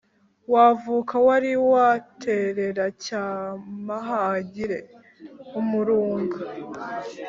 Wavuka wari waterera cya mahangire ?-Umurunga.